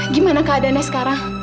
gimana keadaannya sekarang